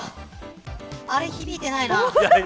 あれ、響いてないな。